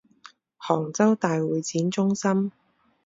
杭州大会展中心